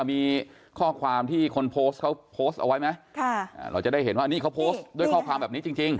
มีข้อความที่คนโพสต์เขาโพสต์เอาไว้ไหมค่ะอ่าเราจะได้เห็นว่านี่เขาโพสต์ด้วยข้อความแบบนี้จริงจริง